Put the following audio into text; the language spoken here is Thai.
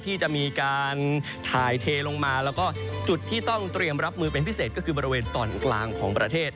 ที่จะมีการถ่ายเทลงมาแล้วก็จุดที่ต้องเตรียมรับมือเป็นพิเศษก็คือบริเวณตอนกลางของประเทศ